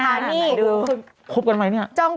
คบกันไหมเนี่ย